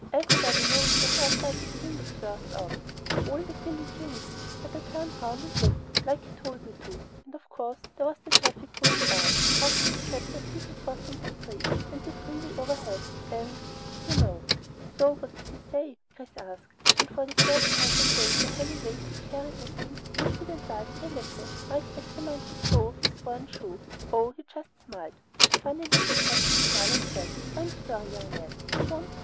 "Everybody knows what's outside his window!" he burst out. "Of all the silly things! But I turned around and looked, like he told me to, and of course there was the traffic goin' by, and trucks, and cabs, and people crossin' the street, and the freeway overhead, an' you know." "So what did he say?" Chris asked, and for the first time that day the heavy weight he carried within him lifted and lightened a little. Mike examined the toe of his worn shoe. "Oh, he just smiled, that funny little crackly smile, and said, 'I'm sorry, young man, you won't do.'"